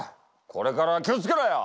これからは気を付けろよ！